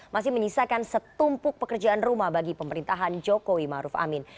masih menyisakan setumpuk pekerjaan rumah bagi pemerintahan jokowi maruf amin